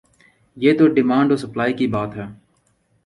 یہ تو ڈیمانڈ اور سپلائی کی بات ہے۔